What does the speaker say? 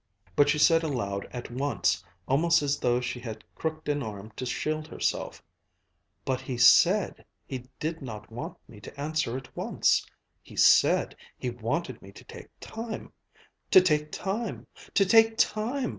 But she said aloud at once, almost as though she had crooked an arm to shield herself: "But he said he did not want me to answer at once! He said he wanted me to take time to take time to take time